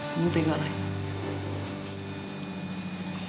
kamu tega ray